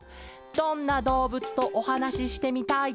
「どんなどうぶつとおはなししてみたいですか？」